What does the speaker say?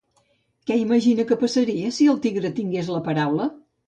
Què imagina que passaria si el tigre tingués la paraula?